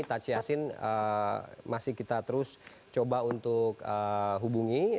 taci yasin masih kita terus coba untuk hubungi